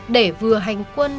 để vừa hành quân